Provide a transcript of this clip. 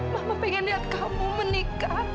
mama pengen lihat kamu menikah